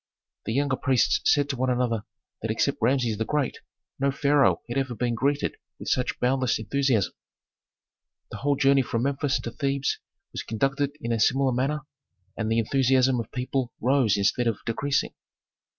The younger priests said to one another that except Rameses the Great no pharaoh had ever been greeted with such boundless enthusiasm. The whole journey from Memphis to Thebes was conducted in a similar manner and the enthusiasm of people rose instead of decreasing.